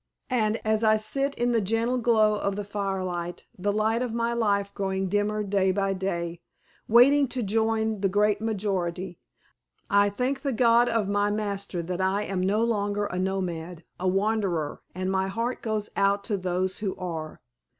And as I sit in the gentle glow of the firelight, the light of my life growing dimmer day by day, waiting to join the great majority, I thank the God of my master, that I am no longer a nomad, a wanderer, and my heart goes out to those who are.